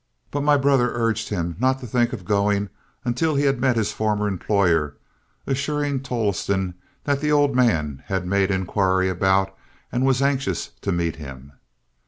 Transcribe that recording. But my brother urged him not to think of going until he had met his former employer, assuring Tolleston that the old man had made inquiry about and was anxious to meet him.